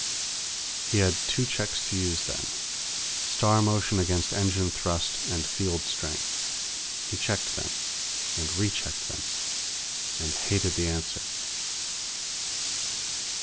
He had two checks to use, then. Star motion against engine thrust and field strength. He checked them. And rechecked them. And hated the answer.